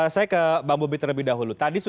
saya ke bang bobi terlebih dahulu